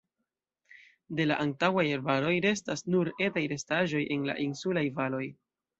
De la antaŭaj arbaroj restas nur etaj restaĵoj en la insulaj valoj.